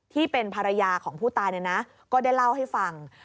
ที่เป็นภรรยาของผู้ตายเนี่ยนะก็ได้เล่าให้ฟัง